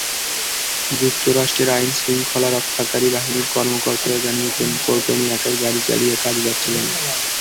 যুক্তরাষ্ট্রের আইনশৃঙ্খলা রক্ষাকারী বাহিনীর কর্মকর্তারা জানিয়েছেন, কোর্টনি একাই গাড়ি চালিয়ে কাজে যাচ্ছিলেন।